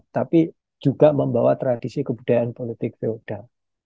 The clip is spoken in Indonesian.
tapi juga membawa tradisi kebudayaan politik feodal